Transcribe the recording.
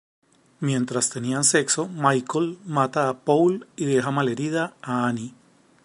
Mientras tenían sexo, Michael mata a Paul y deja malherida a Annie.